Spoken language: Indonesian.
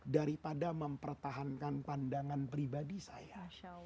daripada mempertahankan pandangan pribadi saya